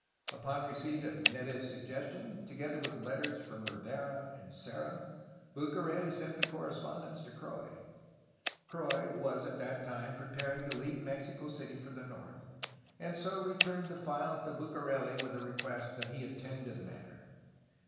Upon receipt of Neve's suggestions, together with letters from Rivera and Serra, Bucareli sent the correspondence to Croix. Croix was at that time preparing to leave Mexico City for the north, and so returned the file to Bucareli with a request that he attend to the matter.